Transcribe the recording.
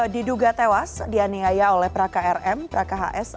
diduga tewas dianiaya oleh prakhs